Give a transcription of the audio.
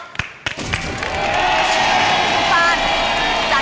ขอบคุณค่ะ